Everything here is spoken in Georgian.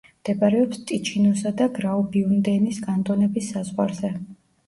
მდებარეობს ტიჩინოსა და გრაუბიუნდენის კანტონების საზღვარზე.